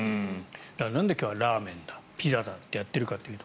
なんで今日はラーメンだピザだってやってるかというと